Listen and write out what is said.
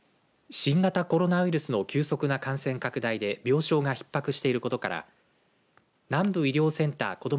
新型コロナウイルスの急速な感染拡大で病床がひっ迫していることから南部医療センター・こども